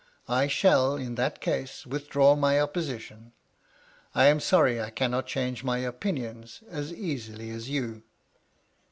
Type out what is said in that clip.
I shall, in that case, withdraw my opposition. I am sorry I cannot change my opinions as easily as you."